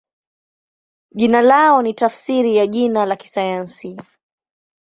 Jina lao ni tafsiri ya jina la kisayansi.